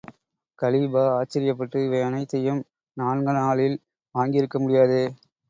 Khalifa ஆச்சரியப்பட்டு, இவையனைத்தையும் நான்கணாலில் வாங்கியிருக்க முடியாதே!